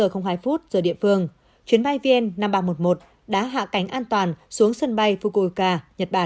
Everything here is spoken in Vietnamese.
khoảng một mươi ba h hai giờ địa phương chuyến bay vn năm nghìn ba trăm một mươi một đã hạ cánh an toàn xuống sân bay fukuoka nhật bản